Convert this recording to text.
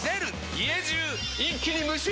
家中一気に無臭化！